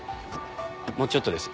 もうちょっとです。